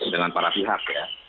dengan para pihak ya